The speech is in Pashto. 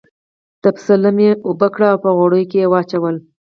د پسه لم یې اوبه کړل او په غوړیو کې یې واچول.